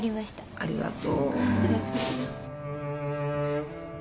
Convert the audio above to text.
ありがとう。